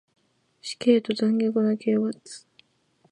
死刑と残虐な刑罰